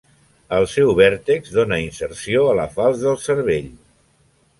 El seu vèrtex dóna inserció a la falç del cervell.